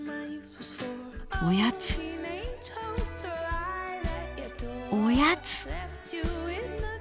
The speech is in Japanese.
おやつおやつ。